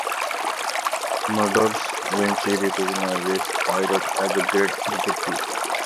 Murders when she recognises Poirot as a great detective.